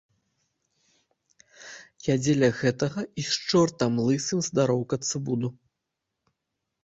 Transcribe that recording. Я дзеля гэтага і з чортам лысым здароўкацца буду.